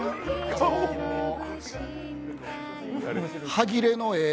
歯切れのええ